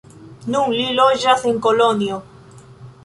Nun li loĝas en Kolonjo.